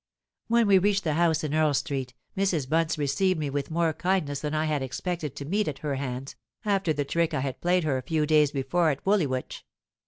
"When we reached the house in Earl Street, Mrs. Bunce received me with more kindness than I had expected to meet at her hands, after the trick I had played her a few days before at Woolwich.